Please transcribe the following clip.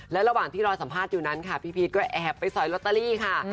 และระหว่างที่รอสัมภาษณ์อยู่นั้นค่ะพี่พีชก็แอบไปสอยลอตเตอรี่ค่ะ